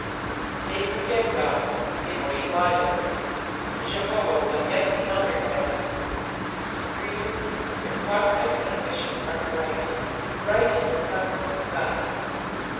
They forget Qod, they worship idols, but Jehovah will yet be honoured by them. Reader, the prospects of missions are bright, bri)^ht as the promises of Ood.